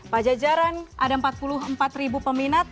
pajajaran ada empat puluh empat ribu peminat